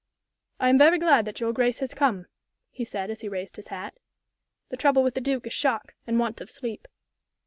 "I am very glad that your grace has come," he said, as he raised his hat. "The trouble with the Duke is shock, and want of sleep."